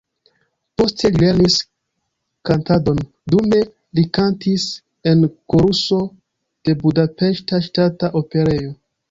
Poste li lernis kantadon, dume li kantis en koruso de Budapeŝta Ŝtata Operejo.